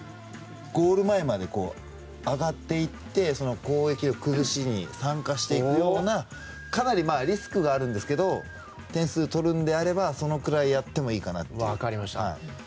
ゴール前まで上がっていって攻撃の崩しに参加するようなかなりリスクもあるんですけど点数を取るのであればそのくらいやってもいいかなと。